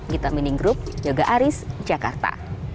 kita mining group yoga aris jakarta